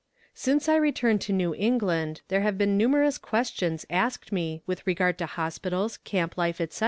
Since I returned to New England there have been numerous questions asked me with regard to hospitals, camp life, etc.